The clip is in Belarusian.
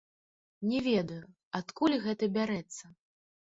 Не ведаю, адкуль гэта бярэцца.